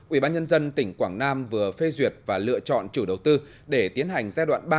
ubnd tỉnh quảng nam vừa phê duyệt và lựa chọn chủ đầu tư để tiến hành giai đoạn ba